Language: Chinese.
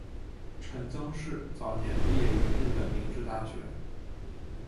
陈曾栻早年毕业于日本明治大学。